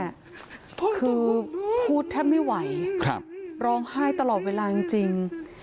คือพูดแทบไม่ไหวร้องไห้ตลอดเวลาจริง